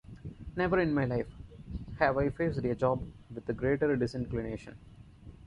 Never in my life have I faced a job with greater disinclination.